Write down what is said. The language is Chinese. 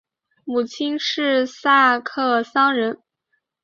母亲是萨克森人。